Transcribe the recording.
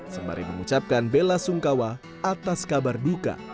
sembari mengucapkan bela sungkawa atas kata